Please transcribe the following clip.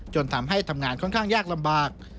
จนทำให้ทำงานค่อนข้างยากลำบาก